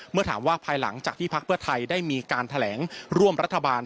เมื่อถามว่าภายหลังจากที่พักเพื่อไทยได้มีการแถลงร่วมรัฐบาล